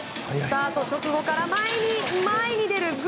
スタート直後から前に出る。